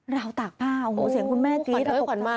ราวตากผ้าโอ้โหเสียงคุณแม่จี๊ดตกมา